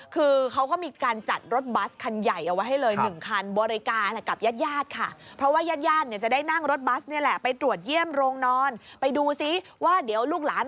คือเขาก็มีการจัดรถบัสคันใหญ่เอาไว้ให้เลย๑คัน